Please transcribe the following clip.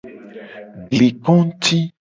Gli konguti.